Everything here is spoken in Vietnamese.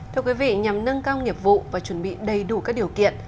thưa quý vị nhằm nâng cao nghiệp vụ và chuẩn bị đầy đủ các điều kiện